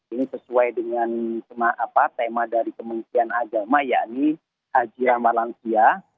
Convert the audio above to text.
ini sesuai dengan tema dari kementerian agama yakni haji ramalansia